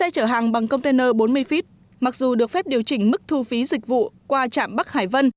vàng bằng container bốn mươi feet mặc dù được phép điều chỉnh mức thu phí dịch vụ qua trạm bắc hải vân